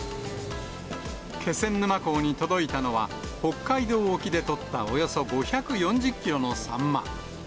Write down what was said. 気仙沼港に届いたのは、北海道沖で取ったおよそ５４０キロのサンマ。